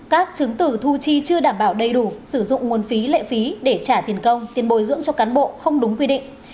các chứng từ thu chi chưa đảm bảo đầy đủ sử dụng nguồn phí lệ phí để trả tiền công tiền bồi dưỡng cho cán bộ không đúng quy định